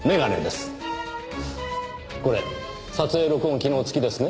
これ撮影録音機能付きですね？